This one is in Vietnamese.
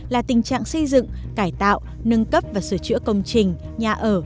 là tình trạng xây dựng cải tạo nâng cấp và sửa chữa công trình nhà ở